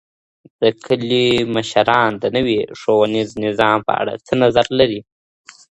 د کلیو مشران د نوي ښوونیز نظام په اړه څه نظر لري؟